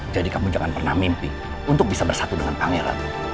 jadi kamu jangan pernah mimpi untuk bisa bersatu dengan pangeran